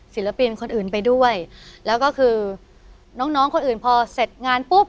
ศิลปินคนอื่นไปด้วยแล้วก็คือน้องน้องคนอื่นพอเสร็จงานปุ๊บ